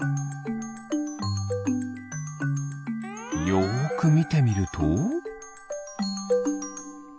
よくみてみると。